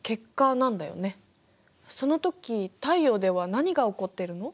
そのとき太陽では何が起こっているの？